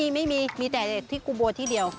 ไม่มีเขาแต่ที่กุโบดที่เดียว